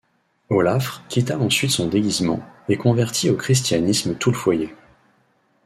Óláfr quitta ensuite son déguisement, et convertit au christianisme tout le foyer.